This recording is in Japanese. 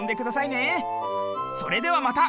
それではまた。